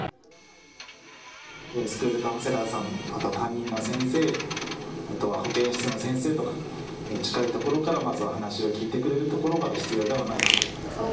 スクールカウンセラーさん、また担任の先生、保健室の先生とか近いところからまずは話を聞いてくれるところが必要ではないかと。